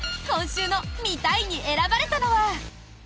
今週の「見たい！」に選ばれたのは。